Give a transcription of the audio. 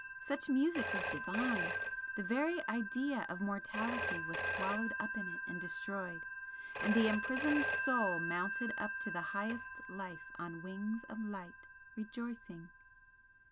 Such music was divine! the very idea of mortality was swallowed up in it and destroyed, and the imprisoned soul mounted up to the highest life on wings of light, rejoicing!